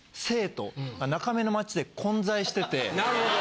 なるほど！